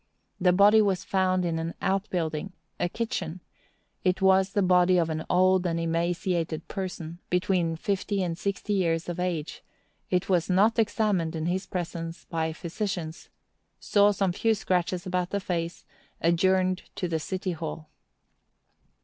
The body was found in an outbuilding—a kitchen; it was the body of an old and emaciated person, between fifty and sixty years of age; it was not examined in his presence by physicians; saw some few scratches about the face; adjourned to the City Hall.